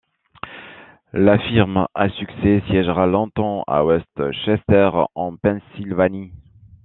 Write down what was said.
La firme à succès siègera longtemps à West Chester, en Pennsylvanie.